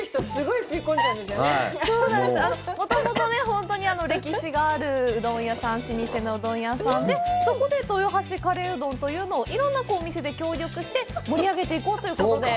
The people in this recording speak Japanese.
本当に歴史があるうどん屋さん、老舗のうどん屋さんで、豊橋カレーうどんというのをいろんなお店で協力して盛り上げていこうということで。